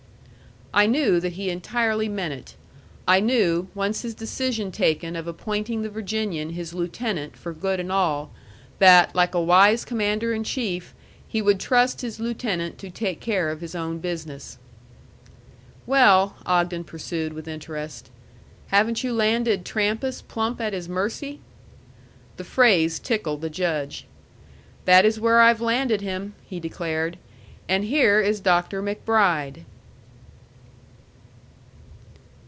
I knew that he entirely meant it. I knew, once his decision taken of appointing the Virginian his lieutenant for good and all, that, like a wise commander in chief, he would trust his lieutenant to take care of his own business. "Well," Ogden pursued with interest, "haven't you landed Trampas plump at his mercy?" The phrase tickled the Judge. "That is where I've landed him!" he declared. "And here is Dr. MacBride."